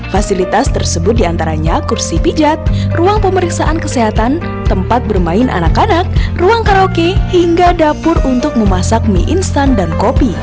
fasilitas tersebut diantaranya kursi pijat ruang pemeriksaan kesehatan tempat bermain anak anak ruang karaoke hingga dapur untuk memasak mie instan dan kopi